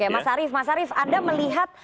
mas arief ada melihat